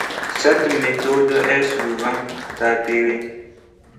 Cette méthode est souvent appelée '.